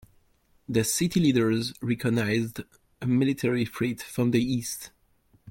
The city leaders recognized a military threat from the east.